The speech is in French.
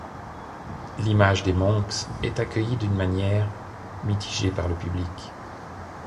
L'image des Monks est accueillie d'une manière mitigée par le public.